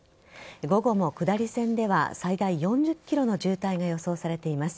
午後も下り線では最大４０ｋｍの渋滞が予想されています。